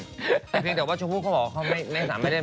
เพียงแต่ว่าชมพู่เค้าบอกว่าเค้าไม่สามารถเสียไม่เล่น